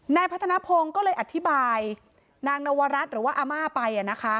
พัฒนภงก็เลยอธิบายนางนวรัฐหรือว่าอาม่าไป